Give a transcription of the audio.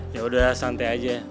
yaudah santai aja